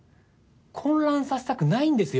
混乱させたくないんですよ。